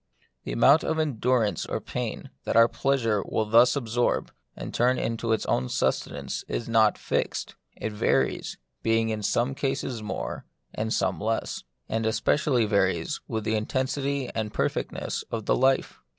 The amount of endurance or pain that our pleasure will thus absorb, and turn into its own suste nance, is not fixed. It varies, being in some cases more, and in some less ; and especially it varies with the intensity and perfectness of the life.